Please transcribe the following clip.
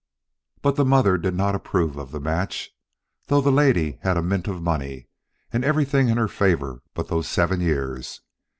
But the mother did not approve of the match, though the lady had a mint of money and everything in her favor but those seven years.